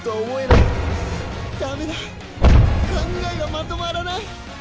ダメだ考えがまとまらない